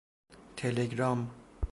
تلگرام